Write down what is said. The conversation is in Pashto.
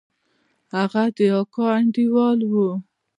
هغه د اکا انډيوال و.